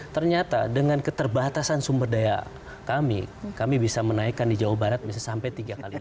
ternyata dengan keterbatasan sumber daya kami kami bisa menaikkan di jawa barat bisa sampai tiga kali lipat